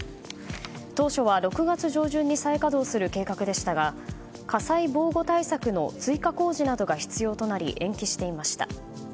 当初は６月上旬に再稼働する計画でしたが火災防護対策の追加工事などが必要となり延期していました。